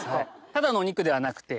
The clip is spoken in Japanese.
ただのお肉ではなくて。